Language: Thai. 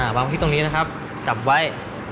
วางที่ตรงนี้นะครับจับไว้